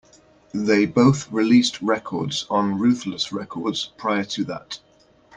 They both released records on Ruthless Records prior to that.